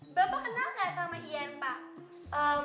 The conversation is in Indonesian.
bapak kenal gak sama ian pak